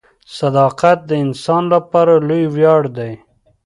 • صداقت د انسان لپاره لوی ویاړ دی.